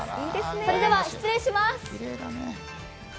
それでは失礼します！